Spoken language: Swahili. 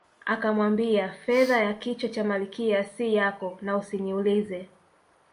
Akamwambia fedha ya kichwa cha Malkia si yako na usiniulize